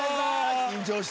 緊張した？